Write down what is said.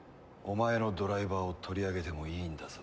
お前のドライバーを取り上げてもいいんだぞ。